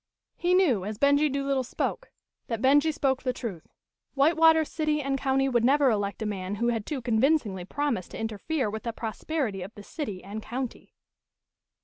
He knew, as Benjie Doolittle spoke, that Benjie spoke the truth White water city and county would never elect a man who had too convincingly promised to interfere with the prosperity of the city and county.